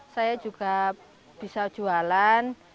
saya juga bisa jualan